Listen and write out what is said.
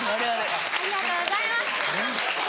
ありがとうございます。